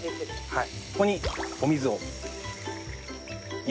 はい。